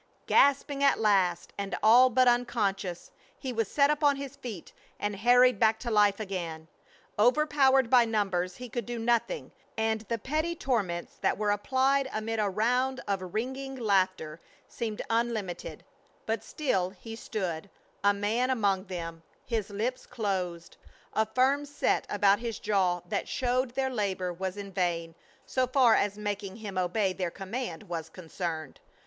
Gasping at last, and all but unconscious, he was set upon his feet, and harried back to life again. Over powered by numbers, he could do nothing, and the petty torments that were applied amid a round of ringing laughter seemed unlimited; but still he stood, a man among them, his lips closed, a firm set about his jaw that showed their labor was in vain so far as making him obey their command was concerned.